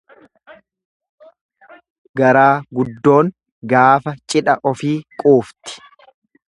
Garaa guddoon gaafa cidha ofii quufti.